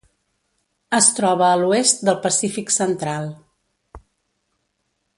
Es troba a l'oest del Pacífic central.